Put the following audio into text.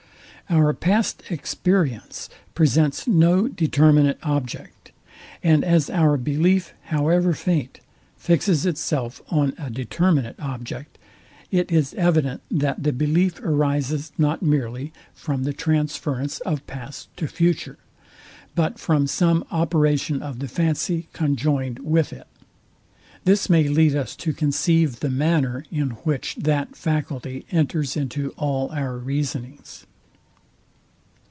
Our past experience presents no determinate object; and as our belief, however faint, fixes itself on a determinate object, it is evident that the belief arises not merely from the transference of past to future, but from some operation of the fancy conjoined with it. This may lead us to conceive the manner, in which that faculty enters into all our reasonings.